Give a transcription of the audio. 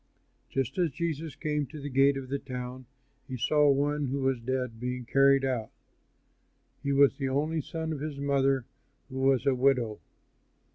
Just as Jesus came to the gate of the town, he saw one who was dead being carried out. He was the only son of his mother who was a widow.